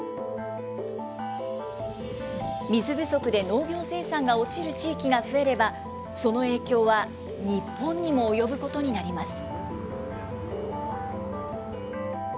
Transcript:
水不足で農業生産が落ちる地域が増えれば、その影響は日本にも及ぶことになります。